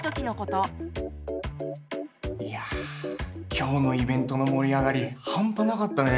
いやぁ今日のイベントの盛り上がりハンパなかったね！